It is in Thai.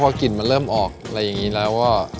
พอกลิ่นมันเริ่มออกอะไรอย่างนี้แล้วก็